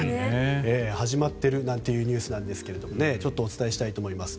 始まっているなんていうニュースなんですけれどもちょっとお伝えしたいと思います